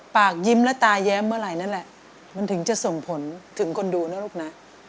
ปากยิ้มและตาแย้มเมื่อไหร่นั่นแหละมันถึงจะส่งผลถึงคนดูนะลูกนะ